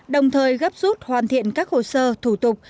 đồng thời gấp rút hoàn thiện các hồ sơ thủ tục